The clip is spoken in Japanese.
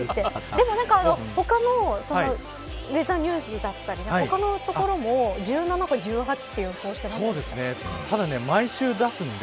でも他のウェザーニュースだったり他のところも１７とか１８とただ、毎週出すんで。